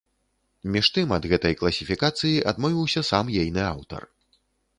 Між тым, ад гэтай класіфікацыі адмовіўся сам ейны аўтар.